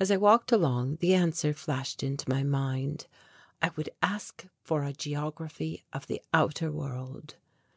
As I walked along the answer flashed into my mind I would ask for a geography of the outer world.